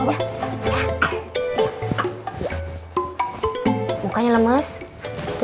yang mana itu peruti